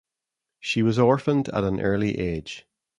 She was orphaned at an early age.